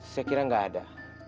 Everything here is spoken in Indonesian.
saya kira nggak ada